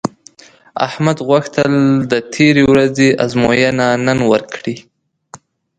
احمد غوښتل د تېرې ورځې ازموینه نن ورکړي